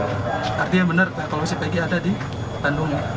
artinya benar kalau si pegi ada di bandung